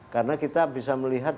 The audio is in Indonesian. karena kita bisa melihat